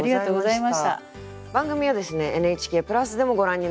番組はですねＮＨＫプラスでもご覧になれます。